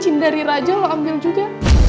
cincin dari raja lo ambil juga